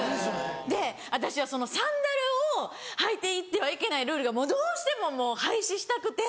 で私はそのサンダルを履いて行ってはいけないルールがどうしてももう廃止したくて。